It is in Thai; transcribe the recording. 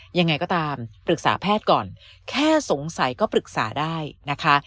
ยังไงก็ตามปรึกษาแพทย์ก่อนแค่สงสัยก็ปรึกษาได้นะคะ